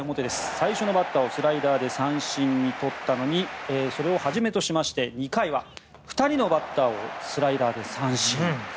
最初のバッターをスライダーで三振にとってそれをはじめとしまして２回は２人のバッターをスライダーで三振。